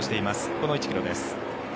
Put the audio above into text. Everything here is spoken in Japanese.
この１ｋｍです。